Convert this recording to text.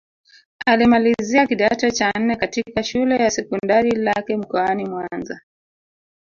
Alimalizia kidato cha nne katika Shule ya Sekondari Lake mkoani Mwanza